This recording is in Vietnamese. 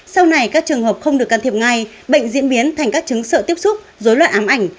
sau này các trường hợp không được can thiệp ngay bệnh diễn biến thành các chứng sợ tiếp xúc dối loạn ám ảnh